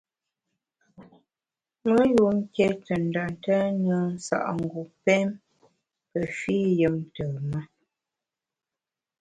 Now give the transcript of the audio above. Me yun nké te nda ntèn nùe nsa’ngu pém pe fî yùm ntùm-ma.